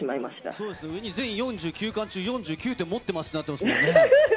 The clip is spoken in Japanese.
そうですよね、全４９巻中４９点持ってますってなってますもんね。